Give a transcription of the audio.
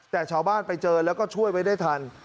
แต่ชาวบ้านไปเจอแล้วก็ช่วยไว้ได้ทัน